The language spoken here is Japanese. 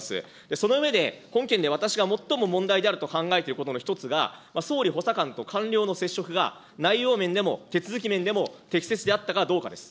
その上で、本件で私が最も問題であると考えていることの一つが、総理補佐官と官僚の接触が、内容面でも手続き面でも適切であったかどうかです。